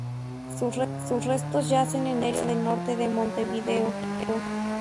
Sus restos yacen en el Cementerio del Norte de Montevideo.